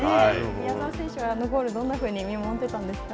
宮澤選手は、あのゴールはどんなふうに見守っていたんですか。